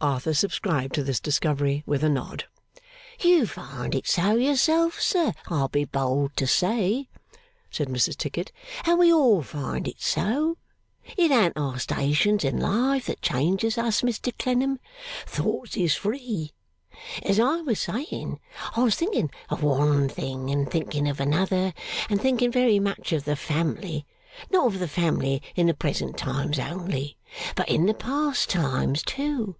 Arthur subscribed to this discovery with a nod. 'You find it so yourself, sir, I'll be bold to say,' said Mrs Tickit, 'and we all find it so. It an't our stations in life that changes us, Mr Clennam; thoughts is free! As I was saying, I was thinking of one thing and thinking of another, and thinking very much of the family. Not of the family in the present times only, but in the past times too.